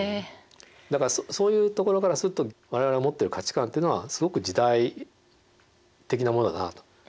だからそういうところからすると我々が持ってる価値観っていうのはすごく時代的なものだなと。